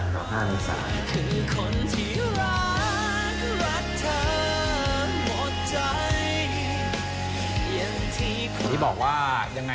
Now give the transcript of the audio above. ใช่แต่ทุกคนที่รักรักเธอหมดใจ